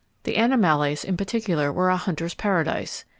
The Animallais in particular were a hunter's paradise.